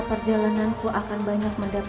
maka perjalananku akan banyak mengembangkan